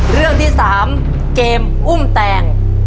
เรื่องที่๓เกมอุ้มแตง